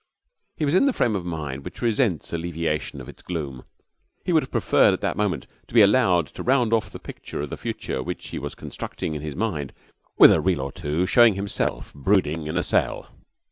He was in the frame of mind which resents alleviation of its gloom. He would have preferred at that moment to be allowed to round off the picture of the future which he was constructing in his mind with a reel or two showing himself brooding in a cell.